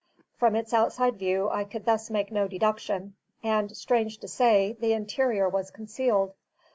From its outside view I could thus make no deduction; and, strange to say, the interior was concealed.